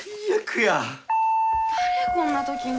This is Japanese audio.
誰こんな時に。